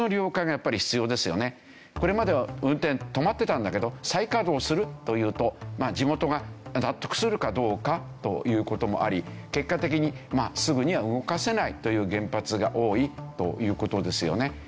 これまでは運転止まってたんだけど再稼働するというと地元が納得するかどうか？という事もあり結果的にすぐには動かせないという原発が多いという事ですよね。